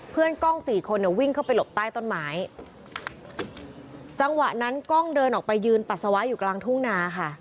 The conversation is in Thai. กล้องสี่คนเนี่ยวิ่งเข้าไปหลบใต้ต้นไม้จังหวะนั้นกล้องเดินออกไปยืนปัสสาวะอยู่กลางทุ่งนาค่ะ